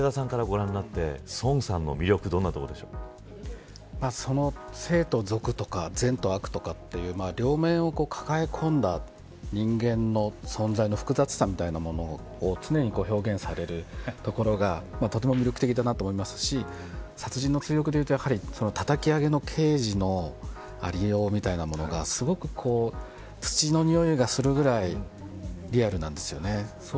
是枝さんからもご覧になってソンさんの魅力は聖と俗とか善と悪とか両眼を抱え込んだ人間の存在な複雑さみたいなものを常に表現されるところがとても魅力的だなと思いますし殺人の追憶でいうとたたき上げの刑事のありようみたいなものがすごく土のにおいがするぐらいリアルなんですよね。